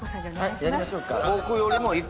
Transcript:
やりましょうか。